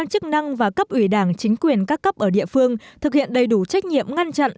chức năng và cấp ủy đảng chính quyền các cấp ở địa phương thực hiện đầy đủ trách nhiệm ngăn chặn